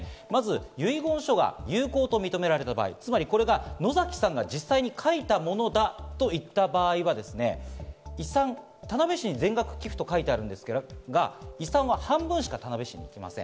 まず遺言書が有効とみられた場合、野崎さんが実際に書いたものだと言った場合は遺産は田辺市に全額寄付と書いてあるんですけれども半分しか行きません。